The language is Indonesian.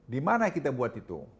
di mana kita buat itu